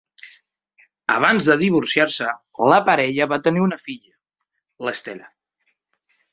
Abans de divorciar-se, la parella va tenir una filla, l'Stella.